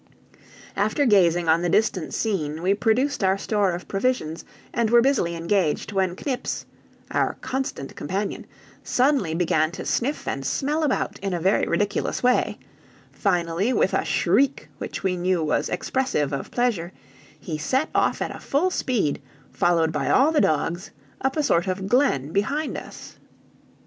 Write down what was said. After gazing on the distant scene, we produced our store of provisions, and were busily engaged, when Knips (our constant companion) suddenly began to snuff and smell about in a very ridiculous way; finally, with a shriek which we knew was expressive of pleasure, he set off at a full speed, followed by all the dogs, up a sort of glen behind us.